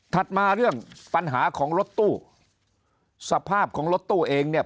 มาเรื่องปัญหาของรถตู้สภาพของรถตู้เองเนี่ย